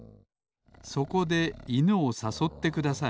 そこでいぬをさそってください